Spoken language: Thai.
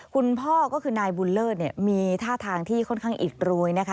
คุณพ่อก็คือนายบูลเลอร์มีท่าทางที่ค่อนข้างอิดรวยนะคะ